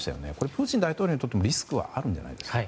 プーチン大統領にとってもリスクはあるんじゃないですか。